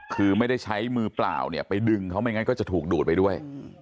คือไม่ได้ใช้มือเปล่าเนี่ยไปดึงเขาไม่งั้นก็จะถูกดูดไปด้วย